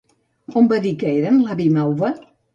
On va dir que eren, l'avi Mauva?